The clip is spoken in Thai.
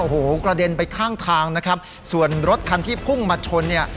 โอ้โหกระเด็นไปข้างทางนะครับส่วนรถคันที่พุ่งมาชนเนี่ย